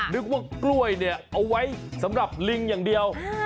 นึกว่ากล้วยเนี่ยเอาไว้สำหรับลิงอย่างเดียว